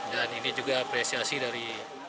dan ini juga apresiasi dari